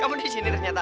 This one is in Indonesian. kamu di sini ternyata